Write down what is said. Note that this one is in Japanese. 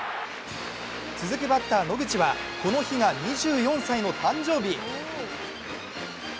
続くバッター・野口は、この日が２４歳の誕生日。